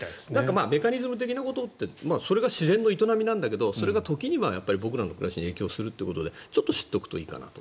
メカニズム的なことってそれが自然の営みなんだけどそれが時には僕らの暮らしに影響するということでちょっと知っておくといいかなと。